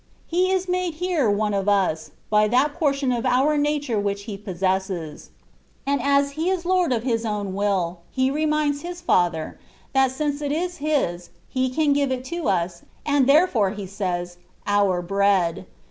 He is made here one of us, by that portion of our nature which He possesses. And as He is Lord of His own will, He reminds His Father, that since it is His, He can give it to us, and therefore He says, " Our bread.